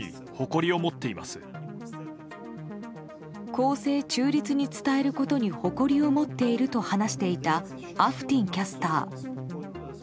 公正中立に伝えることに誇りを持っていると話していたアフティンキャスター。